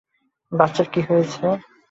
বাচ্চার কি হইছে?